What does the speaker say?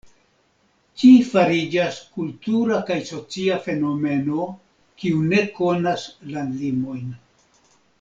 Ĝi fariĝas kultura kaj socia fenomeno kiu ne konas landlimojn.